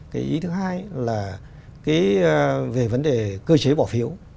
cái ý thứ hai là về vấn đề cơ chế bỏ phiếu